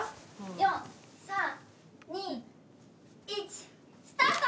４・３・２・１スタート！